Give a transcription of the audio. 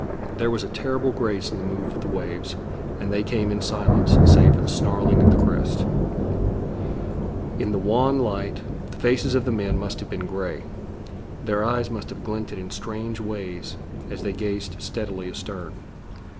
There was a terrible grace in the move of the waves, and they came in silence, save for the snarling of the crests. In the wan light, the faces of the men must have been grey. Their eyes must have glinted in strange ways as they gazed steadily astern.